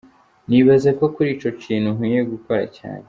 Nibaza ko kuri ico kintu nkwiye gukora cane.